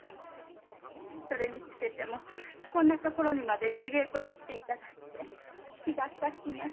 それにつけてもこんな所にまで出稽古に来ていただいて気がさします。